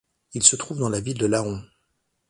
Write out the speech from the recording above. Il se trouve dans la ville de Laon.